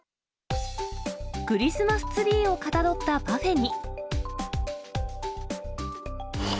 クリスマスツリーをかたどったパフェに。